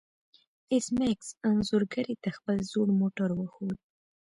ایس میکس انځورګرې ته خپل زوړ موټر وښود